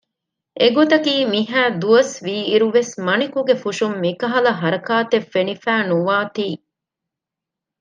އެ ގޮތަކީ މިހައި ދުވަސް ވީއިރު ވެސް މަނިކުގެ ފުށުން މިކަހަލަ ހަރަކާތެއް ފެނިފައި ނުވާތީ